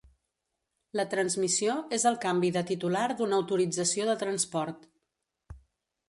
La transmissió és el canvi de titular d'una autorització de transport.